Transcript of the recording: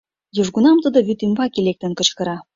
Южгунам тудо вӱд ӱмбаке лектын кычкыра: